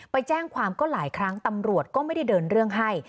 ไปแจ้งความก็หลายครั้งตำรวจก็ไม่ได้เดินเรื่องให้